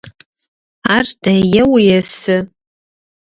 Ар дэеу есы.